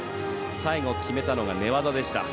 最後、決めたのが寝技でした。